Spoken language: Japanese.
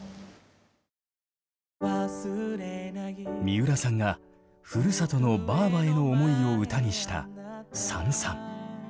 三浦さんがふるさとのばあばへの思いを歌にした「燦燦」。